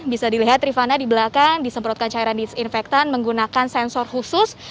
bisa dilihat rifana di belakang disemprotkan cairan disinfektan menggunakan sensor khusus